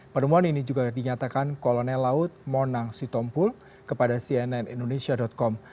penemuan ini juga dinyatakan kolonel laut monang sitompul kepada cnn indonesia com